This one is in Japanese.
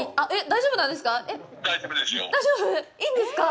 大丈夫なんですか！？